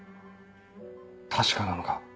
確かなのか？